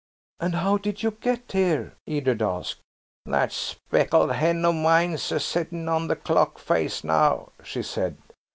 "And how did you get here?" Edred asked. "That speckled hen of mine's a settin' on the clock face now," she said.